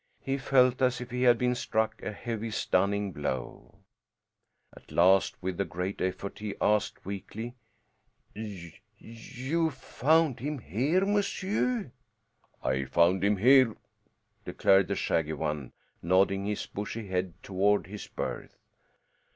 He felt as if he had been struck a heavy, stunning blow. At last with a great effort he asked weakly, "You found him here, monsieur?" "I found him here," declared the shaggy one, nodding his bushy head toward his berth.